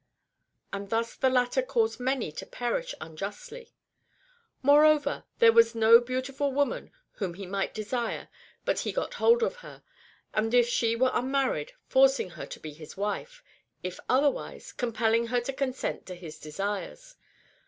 And thus the latter caused many to perish unjustly." Moreover, there was no beautiful woman whom he might desire, but he got hold of her ; if she were un married, forcing her to be his wife, if otherwise, com pelling her to consent to his desires.